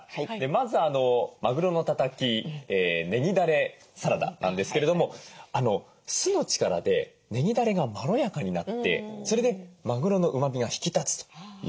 まず「まぐろのたたきねぎだれサラダ」なんですけれども酢の力でねぎだれがまろやかになってそれでまぐろのうまみが引き立つということでした。